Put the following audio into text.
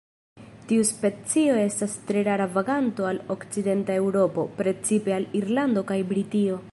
Tiu specio estas tre rara vaganto al okcidenta Eŭropo, precipe al Irlando kaj Britio.